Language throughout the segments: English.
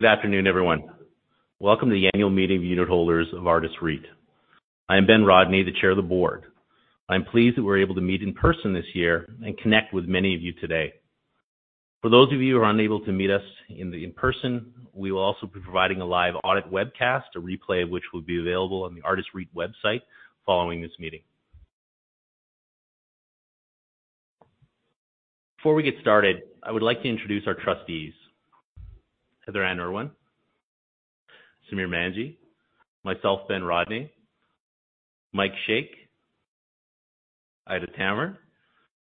Good afternoon, everyone. Welcome to the Annual Meeting of Unitholders of Artis REIT. I am Ben Rodney, the Chair of the Board. I'm pleased that we're able to meet in person this year and connect with many of you today. For those of you who are unable to meet us in person, we will also be providing a live audio webcast, a replay of which will be available on the Artis REIT website following this meeting. Before we get started, I would like to introduce our trustees, Heather Ann Irwin, Samir Manji, myself, Ben Rodney, Mike Shaikh, Aida Tammer,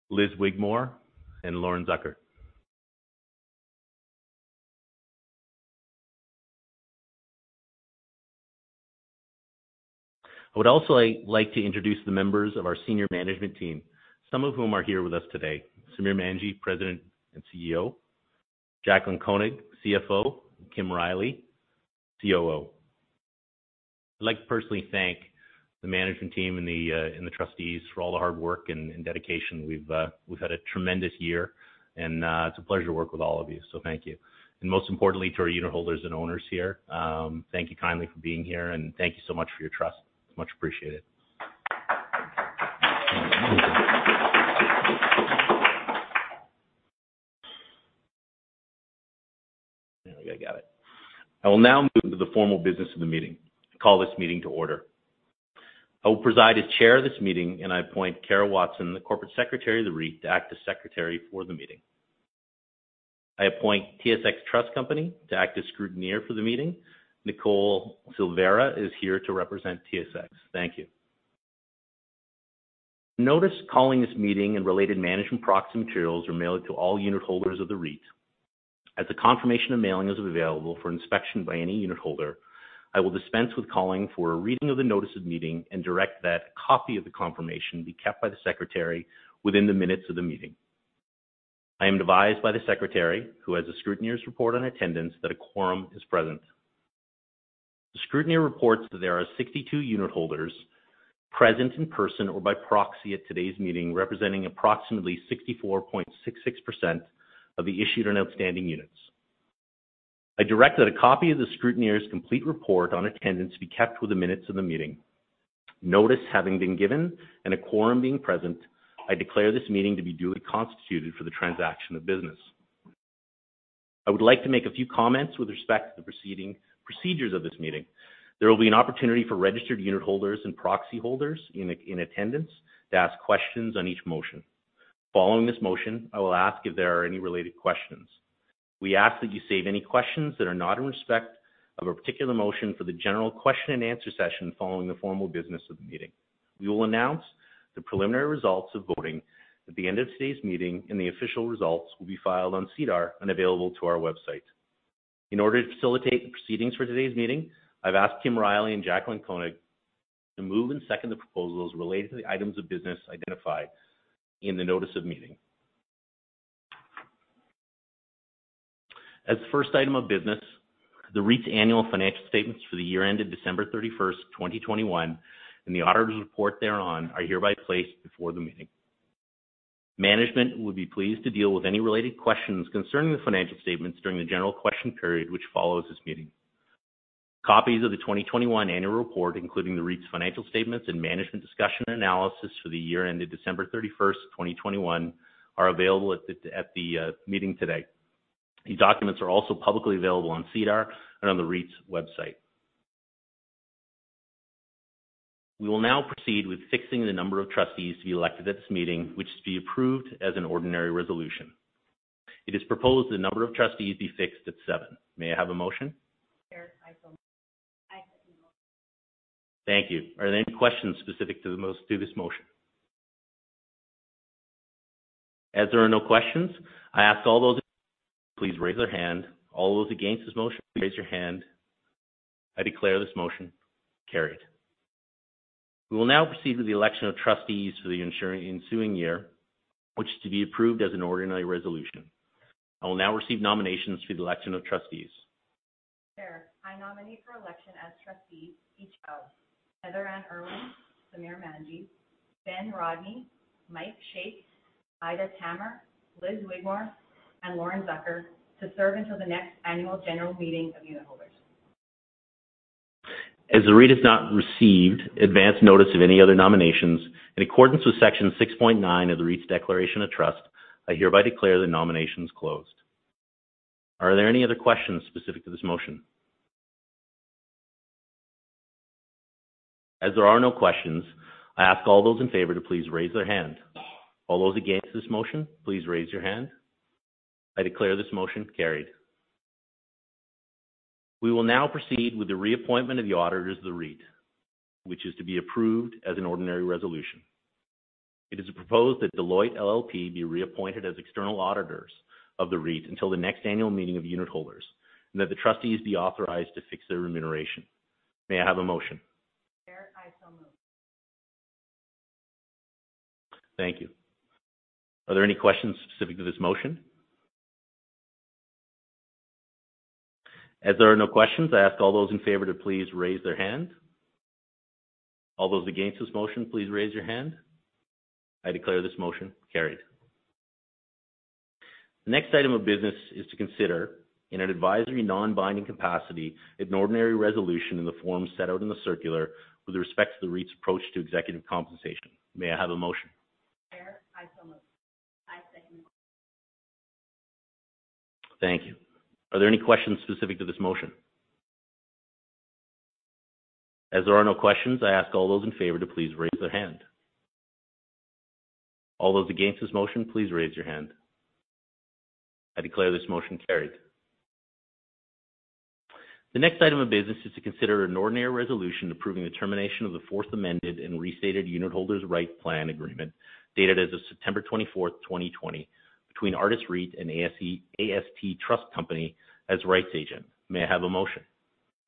Lis Wigmore, and Lauren Zucker. I would also like to introduce the members of our senior management team, some of whom are here with us today. Samir Manji, President and CEO, Jaclyn Koenig, CFO, and Kim Riley, COO. I'd like to personally thank the management team and the trustees for all the hard work and dedication. We've had a tremendous year, and it's a pleasure to work with all of you, so thank you. Most importantly, to our unitholders and owners here, thank you kindly for being here, and thank you so much for your trust. It's much appreciated. There we go. Got it. I will now move into the formal business of the meeting and call this meeting to order. I will preside as chair of this meeting, and I appoint Kara Watson, the Corporate Secretary of the REIT, to act as secretary for the meeting. I appoint TSX Trust Company to act as scrutineer for the meeting. Nicole Silvera is here to represent TSX. Thank you. Notice calling this meeting and related management proxy materials were mailed to all unitholders of the REIT. As a confirmation of mailing is available for inspection by any unitholder, I will dispense with calling for a reading of the notice of meeting and direct that a copy of the confirmation be kept by the secretary within the minutes of the meeting. I am advised by the secretary, who has the scrutineer's report on attendance, that a quorum is present. The scrutineer reports that there are 62 unitholders present in person or by proxy at today's meeting, representing approximately 64.66% of the issued and outstanding units. I direct that a copy of the scrutineer's complete report on attendance be kept with the minutes of the meeting. Notice having been given and a quorum being present, I declare this meeting to be duly constituted for the transaction of business. I would like to make a few comments with respect to the procedures of this meeting. There will be an opportunity for registered unitholders and proxy holders in attendance to ask questions on each motion. Following this motion, I will ask if there are any related questions. We ask that you save any questions that are not in respect of a particular motion for the general question and answer session following the formal business of the meeting. We will announce the preliminary results of voting at the end of today's meeting, and the official results will be filed on SEDAR and available on our website. In order to facilitate the proceedings for today's meeting, I've asked Kim Riley and Jaclyn Koenig to move and second the proposals related to the items of business identified in the notice of meeting. As the first item of business, the REIT's Annual Financial Statements for the year ended December 31st, 2021, and the auditor's report thereon are hereby placed before the meeting. Management would be pleased to deal with any related questions concerning the financial statements during the general question period, which follows this meeting. Copies of the 2021 annual report, including the REIT's financial statements and management discussion and analysis for the year ended December 31st, 2021, are available at the meeting today. These documents are also publicly available on SEDAR and on the REIT's website. We will now proceed with fixing the number of trustees to be elected at this meeting, which is to be approved as an ordinary resolution. It is proposed that the number of trustees be fixed at seven. May I have a motion? Chair, I so move. Thank you. Are there any questions specific to this motion? As there are no questions, I ask all those in favor, please raise their hand. All those against this motion, please raise your hand. I declare this motion carried. We will now proceed to the election of trustees for the ensuing year, which is to be approved as an ordinary resolution. I will now receive nominations for the election of trustees. Chair, I nominate for election as trustee each of Heather Ann Irwin, Samir Manji, Ben Rodney, Mike Shaikh, Aida Tammer, Lis Wigmore, and Lauren Zucker to serve until the next annual general meeting of unitholders. As the REIT has not received advanced notice of any other nominations, in accordance with Section 6.9 of the REIT's Declaration of Trust, I hereby declare the nominations closed. Are there any other questions specific to this motion? As there are no questions, I ask all those in favor to please raise their hand. All those against this motion, please raise your hand. I declare this motion carried. We will now proceed with the reappointment of the auditors of the REIT, which is to be approved as an ordinary resolution. It is proposed that Deloitte LLP be reappointed as external auditors of the REIT until the next annual meeting of unitholders, and that the trustees be authorized to fix their remuneration. May I have a motion? Chair, I so move. Thank you. Are there any questions specific to this motion? As there are no questions, I ask all those in favor to please raise their hand. All those against this motion, please raise your hand. I declare this motion carried. The next item of business is to consider in an advisory non-binding capacity an ordinary resolution in the form set out in the circular with respect to the REIT's approach to executive compensation. May I have a motion? Chair, I so move. I second the motion. Thank you. Are there any questions specific to this motion? As there are no questions, I ask all those in favor to please raise their hand. All those against this motion, please raise your hand. I declare this motion carried. The next item of business is to consider an ordinary resolution approving the termination of the Fourth Amended and Restated Unitholders' Rights Plan Agreement dated as of September 24th, 2020 between Artis REIT and AST Trust Company as rights agent. May I have a motion?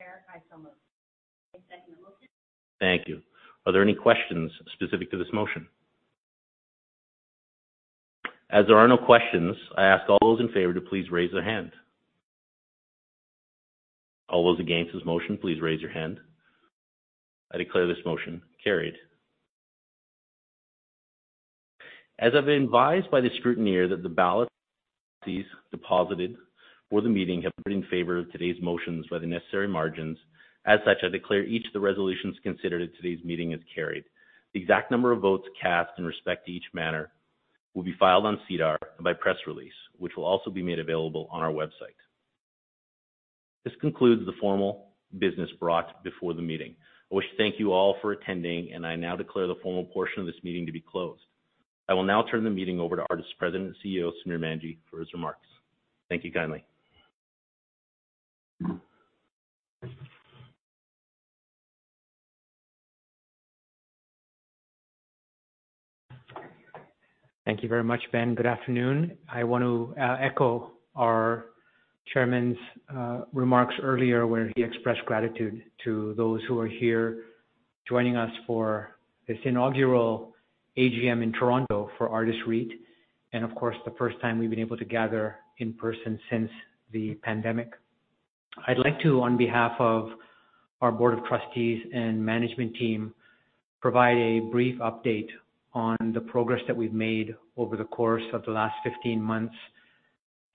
Chair, I so move. I second the motion. Thank you. Are there any questions specific to this motion? As there are no questions, I ask all those in favor to please raise their hand. All those against this motion, please raise your hand. I declare this motion carried. As I've been advised by the scrutineer that the ballot deposited for the meeting have been in favor of today's motions by the necessary margins. As such, I declare each of the resolutions considered at today's meeting is carried. The exact number of votes cast in respect to each matter will be filed on SEDAR by press release, which will also be made available on our website. This concludes the formal business brought before the meeting. I wish to thank you all for attending, and I now declare the formal portion of this meeting to be closed. I will now turn the meeting over to Artis President and CEO, Samir Manji, for his remarks. Thank you kindly. Thank you very much, Ben. Good afternoon. I want to echo our chairman's remarks earlier, where he expressed gratitude to those who are here joining us for this Inaugural AGM in Toronto for Artis REIT and of course, the first time we've been able to gather in person since the pandemic. I'd like to, on behalf of our board of trustees and management team, provide a brief update on the progress that we've made over the course of the last 15 months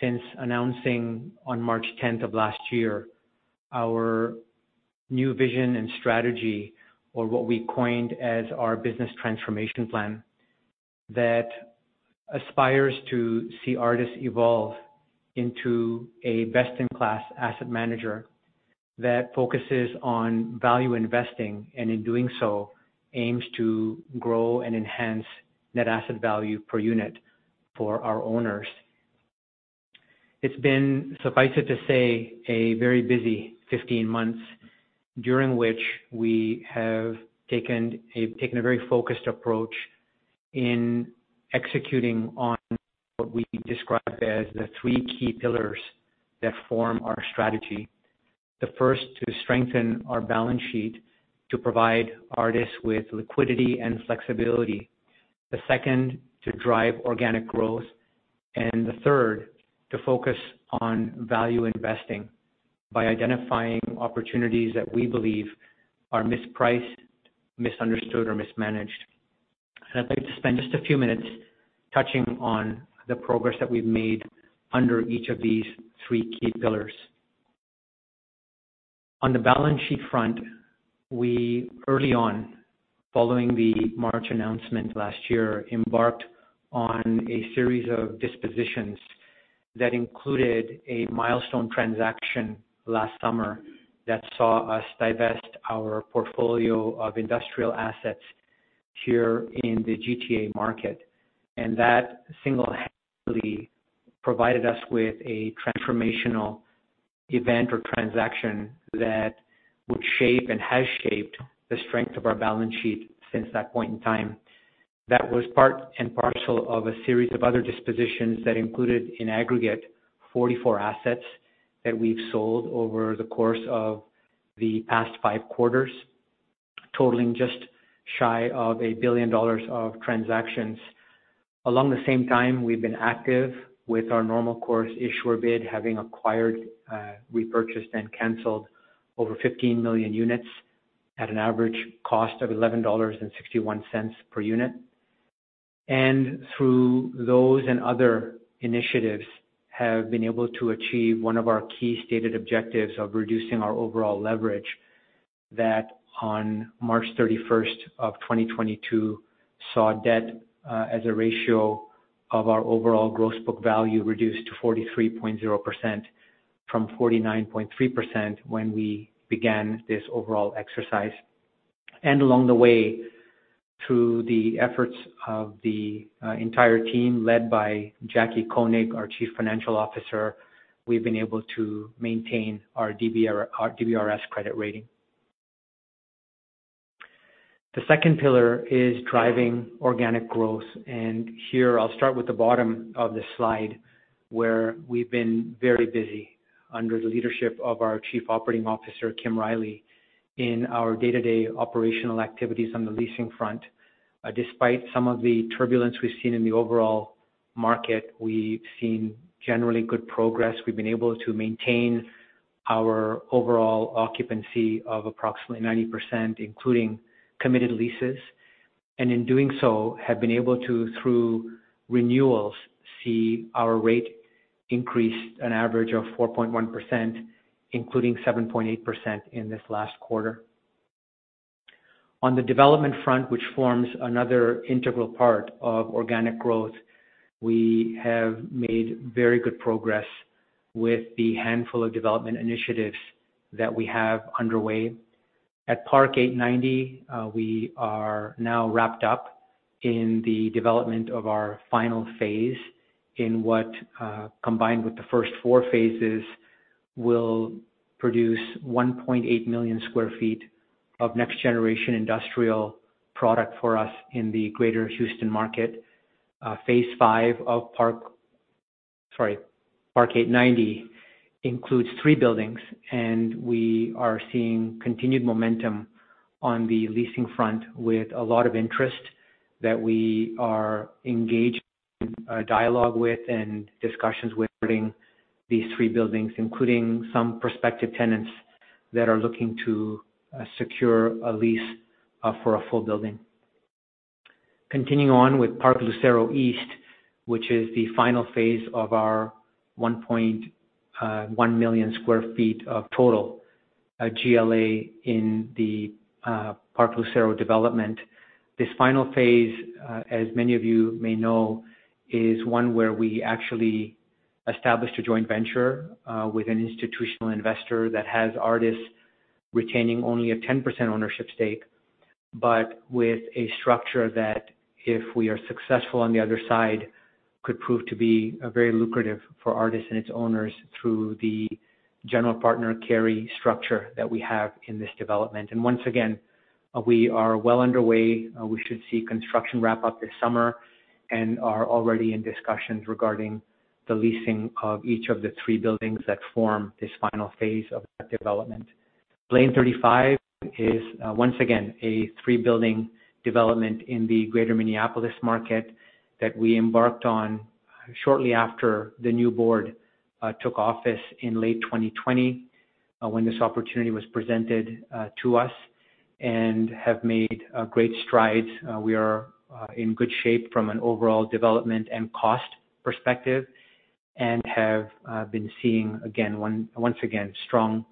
since announcing on March 10th of last year our new vision and strategy, or what we coined as our business transformation plan, that aspires to see Artis evolve into a best in class asset manager that focuses on value investing, and in doing so, aims to grow and enhance net asset value per unit for our owners. It's been suffice it to say, a very busy 15 months during which we have taken a very focused approach in executing on what we describe as the three key pillars that form our strategy. The first, to strengthen our balance sheet to provide Artis with liquidity and flexibility. The second, to drive organic growth. The third, to focus on value investing by identifying opportunities that we believe are mispriced, misunderstood or mismanaged. I'd like to spend just a few minutes touching on the progress that we've made under each of these three key pillars. On the balance sheet front, we early on, following the March announcement last year, embarked on a series of dispositions that included a milestone transaction last summer that saw us divest our portfolio of industrial assets here in the GTA market. That single-handedly provided us with a transformational event or transaction that would shape and has shaped the strength of our balance sheet since that point in time. That was part and parcel of a series of other dispositions that included, in aggregate, 44 assets that we've sold over the course of the past five quarters, totaling just shy of 1 billion dollars of transactions. At the same time, we've been active with our normal course issuer bid, having acquired, repurchased and canceled over 15 million units at an average cost of 11.61 dollars per unit. Through those and other initiatives, have been able to achieve one of our key stated objectives of reducing our overall leverage that on March 31st, 2022, saw debt as a ratio of our overall gross book value reduced to 43.0% from 49.3% when we began this overall exercise. Along the way, through the efforts of the entire team led by Jackie Koenig, our Chief Financial Officer, we've been able to maintain our DBRS credit rating. The second pillar is driving organic growth. Here I'll start with the bottom of the slide, where we've been very busy under the leadership of our Chief Operating Officer, Kim Riley, in our day-to-day operational activities on the leasing front. Despite some of the turbulence we've seen in the overall market, we've seen generally good progress. We've been able to maintain our overall occupancy of approximately 90%, including committed leases. In doing so, we have been able to, through renewals, see our rate increase an average of 4.1%, including 7.8% in this last quarter. On the development front, which forms another integral part of organic growth, we have made very good progress with the handful of development initiatives that we have underway. At Park 890, we are now wrapped up in the development of our final phase in what, combined with the first four phases, will produce 1.8 million sq ft of next generation industrial product for us in the Greater Houston market. phase V of Park Sorry, Park 890 includes three buildings, and we are seeing continued momentum on the leasing front with a lot of interest that we are engaged in dialogue with and discussions with regarding these three buildings, including some prospective tenants that are looking to secure a lease for a full building. Continuing on with Park Lucero East, which is the final phase of our 1.1 million sq ft of total GLA in the Park Lucero development. This final phase, as many of you may know, is one where we actually established a joint venture with an institutional investor that has Artis retaining only a 10% ownership stake, but with a structure that, if we are successful on the other side, could prove to be very lucrative for Artis and its owners through the general partner carry structure that we have in this development. Once again, we are well underway. We should see construction wrap up this summer and are already in discussions regarding the leasing of each of the three buildings that form this final phase of that development. Blaine 35 is once again a three-building development in the Greater Minneapolis market that we embarked on shortly after the new board took office in late 2020, when this opportunity was presented to us and have made great strides. We are in good shape from an overall development and cost perspective and have been seeing once again strong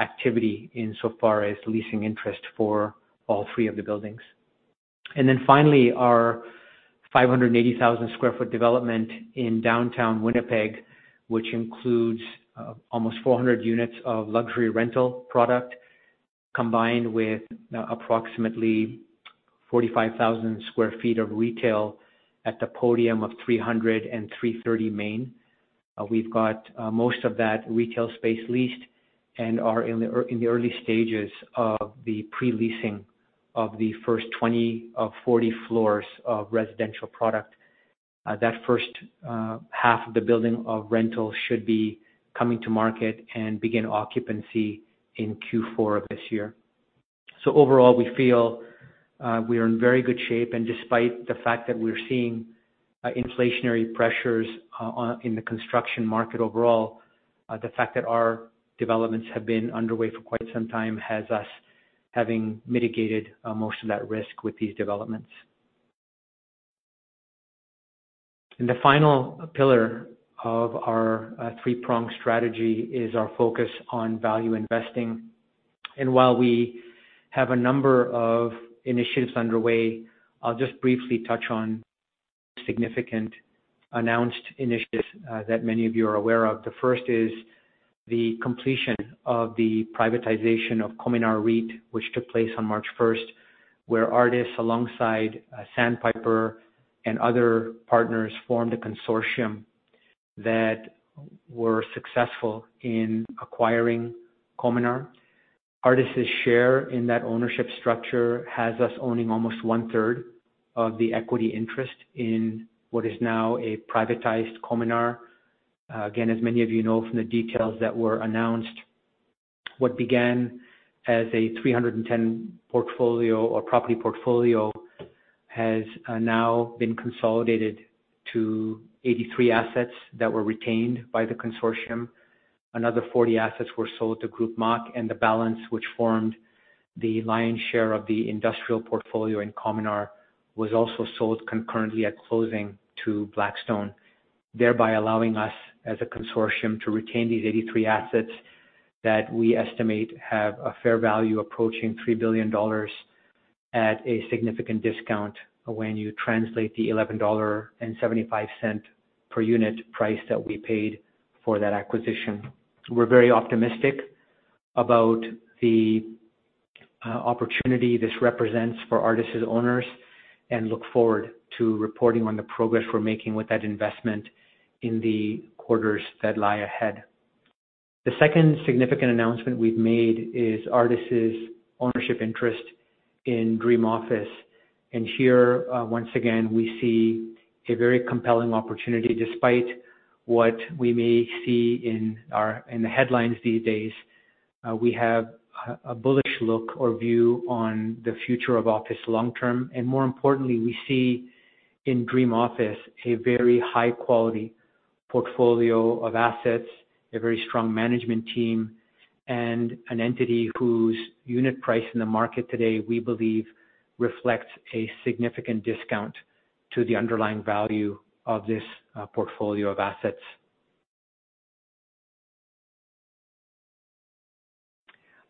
activity insofar as leasing interest for all three of the buildings. Then finally, our 580,000 sq ft development in downtown Winnipeg, which includes almost 400 units of luxury rental product combined with approximately 45,000 sq ft of retail at the podium of 300 and 330 Main. We've got most of that retail space leased and are in the early stages of the pre-leasing of the first 20 of 40 floors of residential product. That first half of the building of rentals should be coming to market and begin occupancy in Q4 of this year. Overall, we feel we are in very good shape. Despite the fact that we're seeing inflationary pressures in the construction market overall, the fact that our developments have been underway for quite some time has us having mitigated most of that risk with these developments. The final pillar of our three-pronged strategy is our focus on value investing. While we have a number of initiatives underway, I'll just briefly touch on significant announced initiatives that many of you are aware of. The first is the completion of the privatization of Cominar REIT, which took place on March first, where Artis, alongside Sandpiper and other partners, formed a consortium that were successful in acquiring Cominar. Artis' share in that ownership structure has us owning almost one-third of the equity interest in what is now a privatized Cominar. Again, as many of you know from the details that were announced, what began as a 310-property portfolio has now been consolidated to 83 assets that were retained by the consortium. Another 40 assets were sold to Groupe Mach. The balance, which formed the lion's share of the industrial portfolio in Cominar, was also sold concurrently at closing to Blackstone, thereby allowing us, as a consortium, to retain these 83 assets that we estimate have a fair value approaching 3 billion dollars at a significant discount when you translate the 11.75 dollar per unit price that we paid for that acquisition. We're very optimistic about the opportunity this represents for Artis' owners and look forward to reporting on the progress we're making with that investment in the quarters that lie ahead. The second significant announcement we've made is Artis' ownership interest in Dream Office. Here, once again, we see a very compelling opportunity despite what we may see in our, in the headlines these days. We have a bullish look or view on the future of office long term. More importantly, we see in Dream Office a very high quality portfolio of assets, a very strong management team, and an entity whose unit price in the market today, we believe reflects a significant discount to the underlying value of this, portfolio of assets.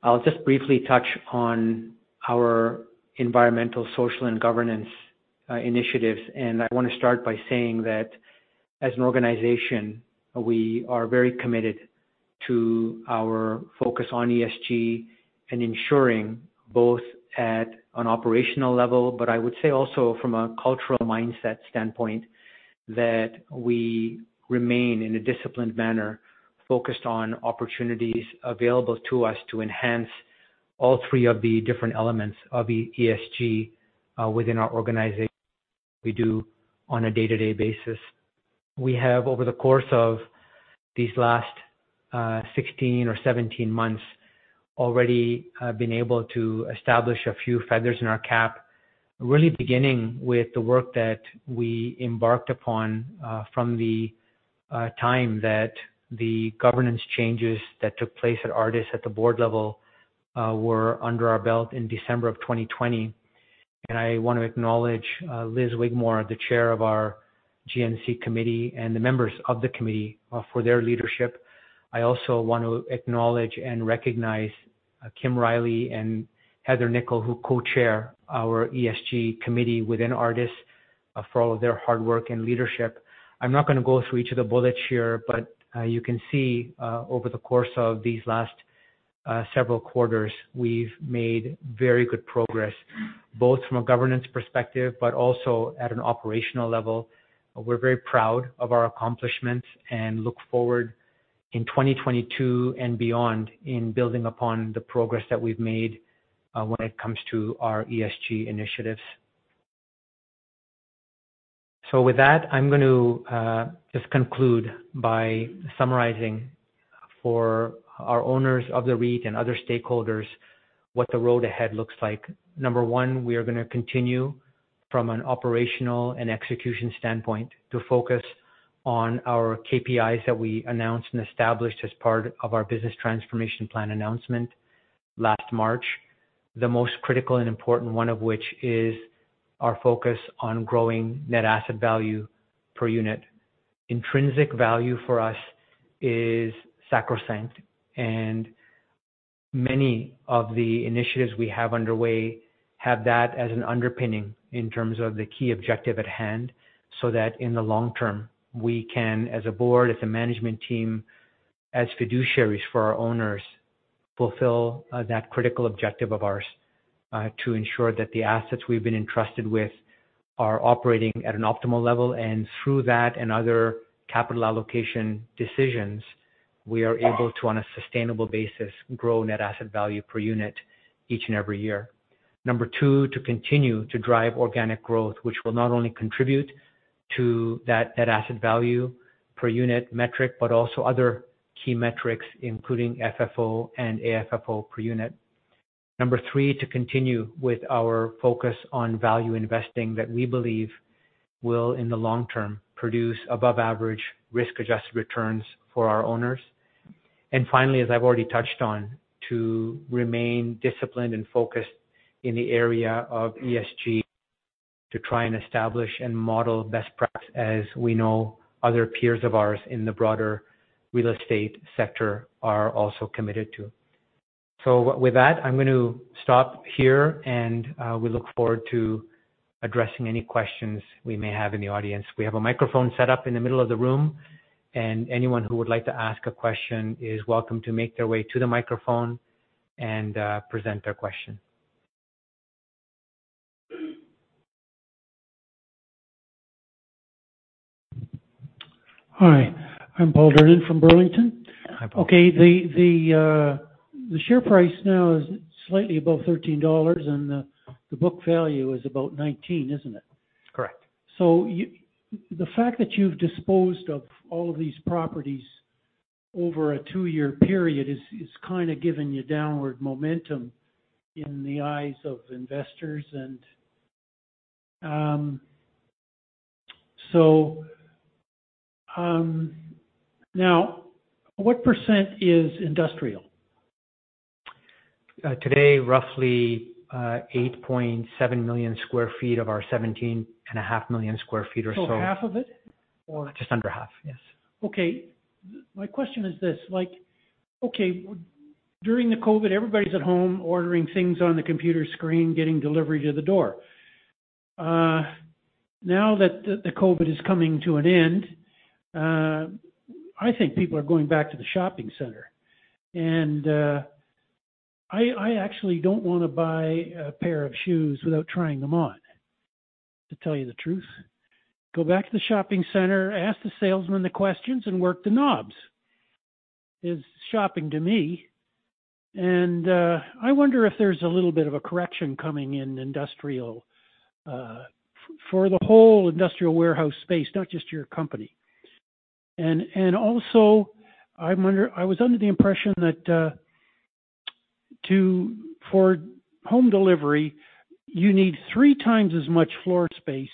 I'll just briefly touch on our environmental, social, and governance, initiatives. I want to start by saying that as an organization, we are very committed to our focus on ESG and ensuring both at an operational level, but I would say also from a cultural mindset standpoint, that we remain in a disciplined manner, focused on opportunities available to us to enhance all three of the different elements of ESG, within our organization we do on a day-to-day basis. We have, over the course of these last 16 or 17 months, already, been able to establish a few feathers in our cap. Really beginning with the work that we embarked upon, from the time that the governance changes that took place at Artis at the board level were under our belt in December of 2020. I want to acknowledge Lis Wigmore, the Chair of our GNC committee, and the members of the committee for their leadership. I also want to acknowledge and recognize Kim Riley and Heather Nikkel, who co-chair our ESG committee within Artis, for all of their hard work and leadership. I'm not going to go through each of the bullets here, but you can see over the course of these last several quarters, we've made very good progress, both from a governance perspective but also at an operational level. We're very proud of our accomplishments and look forward in 2022 and beyond in building upon the progress that we've made when it comes to our ESG initiatives. With that, I'm going to just conclude by summarizing for our owners of the REIT and other stakeholders what the road ahead looks like. Number one, we are going to continue from an operational and execution standpoint to focus on our KPIs that we announced and established as part of our Business Transformation Plan announcement last March. The most critical and important one of which is our focus on growing net asset value per unit. Intrinsic value for us is sacrosanct, and many of the initiatives we have underway have that as an underpinning in terms of the key objective at hand, so that in the long term, we can, as a board, as a management team, as fiduciaries for our owners, fulfill that critical objective of ours to ensure that the assets we've been entrusted with are operating at an optimal level. Through that and other capital allocation decisions, we are able to, on a sustainable basis, grow net asset value per unit each and every year. Number two, to continue to drive organic growth, which will not only contribute to that net asset value per unit metric, but also other key metrics, including FFO and AFFO per unit. Number three, to continue with our focus on value investing that we believe will, in the long term, produce above average risk-adjusted returns for our owners. Finally, as I've already touched on, to remain disciplined and focused in the area of ESG to try and establish and model best practice as we know other peers of ours in the broader real estate sector are also committed to. With that, I'm going to stop here, and we look forward to addressing any questions we may have in the audience. We have a microphone set up in the middle of the room, and anyone who would like to ask a question is welcome to make their way to the microphone and present their question. Hi, I'm Paul Vernon from Burlington. Hi, Paul. Okay. The share price now is slightly above 13 dollars, and the book value is about 19, isn't it? Correct. The fact that you've disposed of all of these properties over a two-year period is kind of giving you downward momentum in the eyes of investors. Now, what percent is industrial? Today, roughly, 8.7 million sq ft of our 17.5 million sq ft or so. Half of it, or? Just under half, yes. Okay. My question is this, like, during the COVID, everybody's at home ordering things on the computer screen, getting delivery to the door. Now that the COVID is coming to an end, I think people are going back to the shopping center. I actually don't wanna buy a pair of shoes without trying them on, to tell you the truth. Go back to the shopping center, ask the salesman the questions, and work the knobs. Is shopping to me. I wonder if there's a little bit of a correction coming in industrial for the whole industrial warehouse space, not just your company. Also, I wonder, I was under the impression that for home delivery, you need three times as much floor space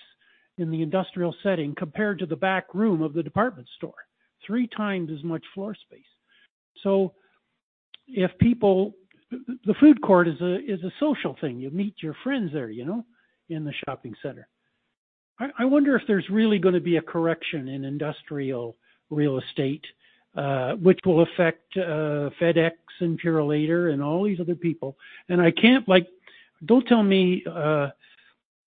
in the industrial setting compared to the back room of the department store. Three times as much floor space. If people the food court is a social thing. You meet your friends there, you know, in the shopping center. I wonder if there's really gonna be a correction in industrial real estate, which will affect FedEx and Purolator and all these other people. I can't like. Don't tell me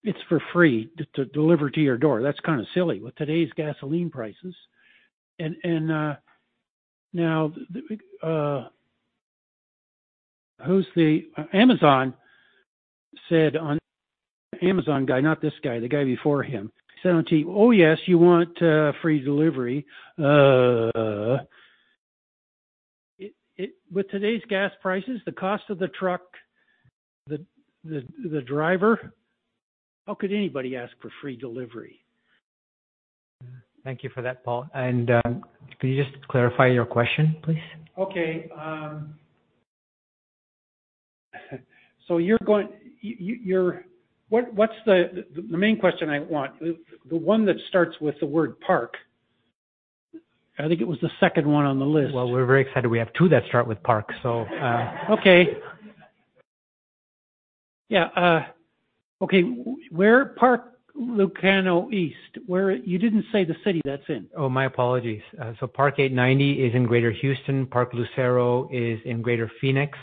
it's for free to deliver to your door. That's kind of silly with today's gasoline prices. Now, who's the Amazon guy, not this guy, the guy before him, said on TV, "Oh, yes, you want free delivery." With today's gas prices, the cost of the truck, the driver, how could anybody ask for free delivery? Thank you for that, Paul. Could you just clarify your question, please? Okay. You're going. What's the main question I want, the one that starts with the word Park. I think it was the second one on the list. Well, we're very excited we have two that start with Park, so. Okay. Yeah, okay. Where Park Lucero East? You didn't say the city that's in. Oh, my apologies. Park 890 is in Greater Houston. Park Lucero is in Greater Phoenix.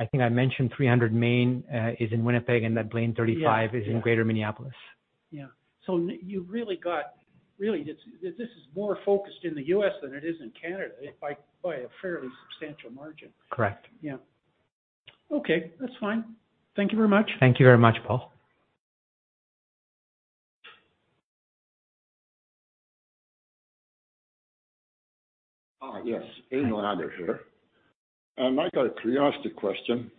I think I mentioned 330 Main is in Winnipeg, and that Blaine 35- Yeah. Is in Greater Minneapolis. Really, this is more focused in the U.S. than it is in Canada by a fairly substantial margin. Correct. Yeah. Okay. That's fine. Thank you very much. Thank you very much, Paul. Yes. Amy Lander here. I got a curiosity question.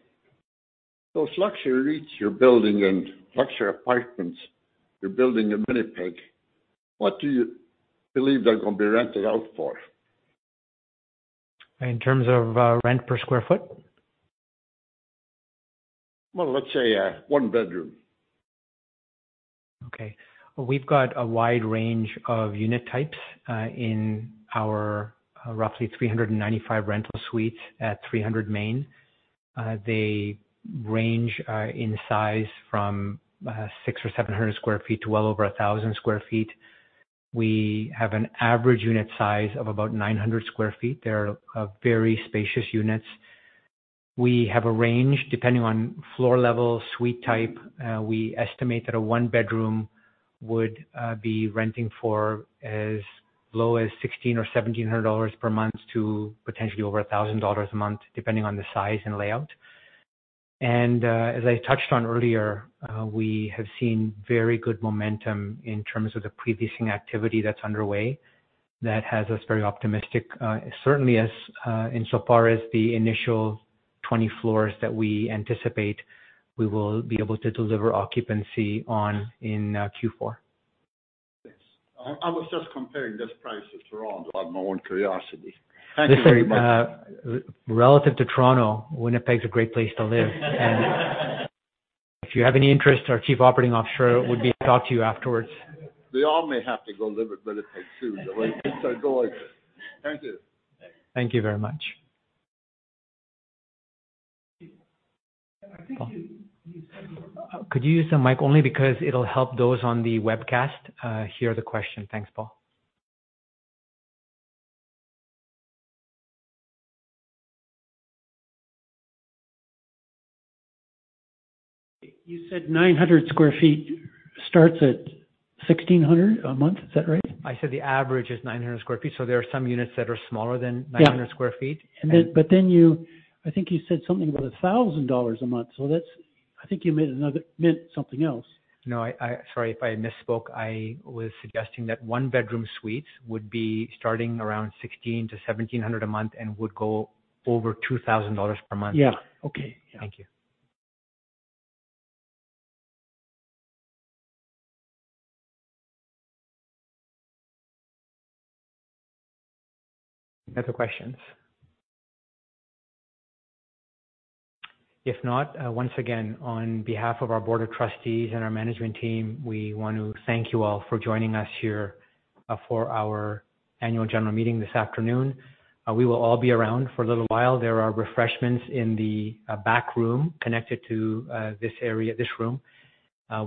Luxury suites you're building and luxury apartments you're building in Winnipeg, what do you believe they're gonna be rented out for? In terms of, rent per square foot? Well, let's say, one bedroom. Okay. We've got a wide range of unit types in our roughly 395 rental suites at 330 Main. They range in size from 600 or 700 sq ft to well over 1,000 sq ft. We have an average unit size of about 900 sq ft. They're very spacious units. We have a range depending on floor level, suite type. We estimate that a one bedroom would be renting for as low as 1,600 or 1,700 dollars per month to potentially over 1,000 dollars per month, depending on the size and layout. As I touched on earlier, we have seen very good momentum in terms of the preleasing activity that's underway. That has us very optimistic, certainly as, insofar as the initial 20 floors that we anticipate we will be able to deliver occupancy on in Q4. Yes. I was just comparing this price to Toronto out of my own curiosity. Thank you very much. Listen, relative to Toronto, Winnipeg's a great place to live. If you have any interest, our chief operating officer would talk to you afterwards. We all may have to go live in Winnipeg, too, the way things are going. Thank you. Thank you very much. Could you use the mic only because it'll help those on the webcast, hear the question. Thanks, Paul. You said 900 sq ft starts at 1600 a month. Is that right? I said the average is 900 sq ft. There are some units that are smaller than 900 sq ft. Yeah. Then you I think you said something about 1,000 dollars a month. That's I think you meant something else. No, I. Sorry if I misspoke. I was suggesting that one-bedroom suites would be starting around 1,600-1,700 a month and would go over 2,000 dollars per month. Yeah. Okay. Yeah. Thank you. Other questions? If not, once again, on behalf of our board of trustees and our management team, we want to thank you all for joining us here for our annual general meeting this afternoon. We will all be around for a little while. There are refreshments in the back room connected to this area, this room,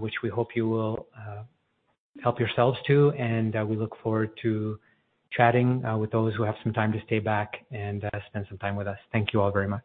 which we hope you will help yourselves to. We look forward to chatting with those who have some time to stay back and spend some time with us. Thank you all very much.